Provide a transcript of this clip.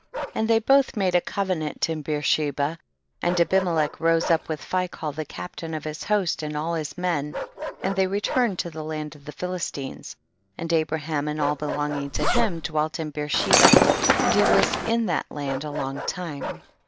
10. And they both made a co venant in Becrsheba, and Abime lech rose up with Phicol the cap tain of his host and all his men, and they returned to the land of the Philistines, and Abraham and all belonging to him dwelt in Becr sheba and he was in that land a long time.